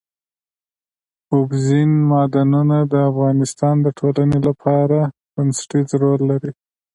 اوبزین معدنونه د افغانستان د ټولنې لپاره بنسټيز رول لري.